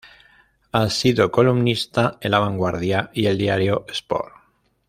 Ha sido columnista en La Vanguardia y el diario Sport.